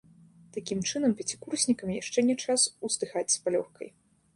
Такім чынам, пяцікурснікам яшчэ не час уздыхаць з палёгкай.